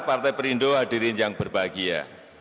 partai perindo hadirin yang berbahagia